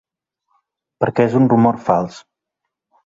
Perquè és un rumor fals.